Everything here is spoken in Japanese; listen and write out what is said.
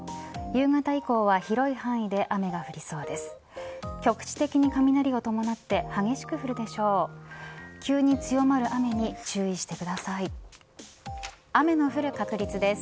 夕方以降は広い範囲で雨が降りそうです。